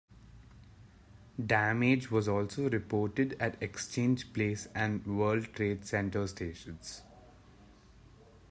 Damage was also reported at Exchange Place and World Trade Center stations.